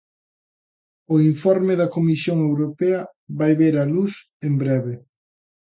O informe da Comisión Europea vai ver a luz en breve.